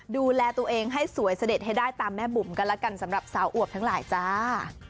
ดูแลตัวเองให้สวยเสด็จให้ได้ตามแม่บุ๋มกันแล้วกันสำหรับสาวอวบทั้งหลายจ้า